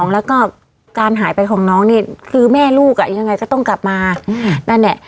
แล้วก็การหายไปของน้องนี่คือแม่ลูกอ่ะยังไงก็ต้องกลับมานั่นแหละ